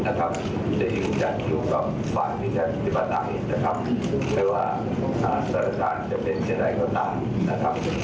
นะครับจะอยู่กับฝั่งวิทยาศาสตร์อังกฤษนะครับไม่ว่าศาลการณ์จะเป็นทีใดก็ตามนะครับ